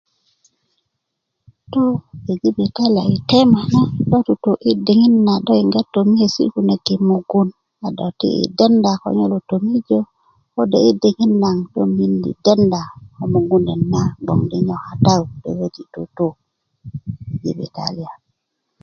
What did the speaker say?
tu yi jibitaliya yi tema na do tutu yi diŋit na do yiŋgs tomiyesi' kunök yi mugun a do ti' yi denda ko nyo lo tomijö kode yi diŋit naŋ do miindi denda ko mugun net na gboŋ dinyo kata yu do köti' tutu jibitaliya